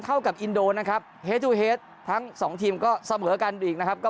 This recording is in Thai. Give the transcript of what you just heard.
เท่ากับอินโดนะครับทั้งสองทีมก็เสมอกันอีกนะครับก็